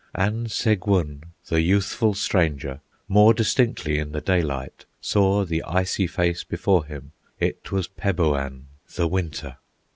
And Segwun, the youthful stranger, More distinctly in the daylight Saw the icy face before him; It was Peboan, the Winter!